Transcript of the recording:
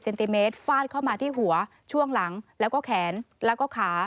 ติเมตรฟาดเข้ามาที่หัวช่วงหลังแล้วก็แขนแล้วก็ขา